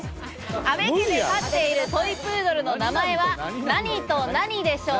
阿部家で飼っているトイプードルの名前は何と何でしょう？